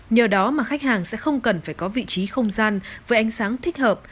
nhờ đó mà khách hàng sẽ không cần phải có vị trí không gian với ánh sáng thích hợp